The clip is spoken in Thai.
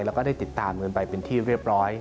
แล้วก็ได้ติดตามกันไปเป็นที่เรียบร้อย